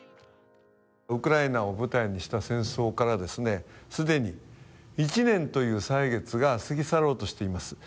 ウクライナを舞台にした戦争から既に１年という歳月が過ぎ去ろうとしています。